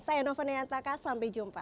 saya novena yataka sampai jumpa